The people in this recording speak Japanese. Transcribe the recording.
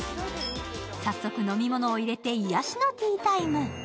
早速、飲み物を入れて癒やしのティータイム。